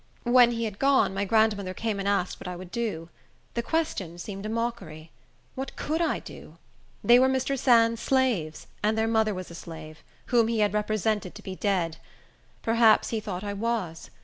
When he had gone, my grandmother came and asked what I would do. The question seemed a mockery. What could I do? They were Mr. Sands's slaves, and their mother was a slave, whom he had represented to be dead. Perhaps he thought I was.